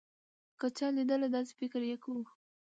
که چا لېدله داسې فکر يې کوو.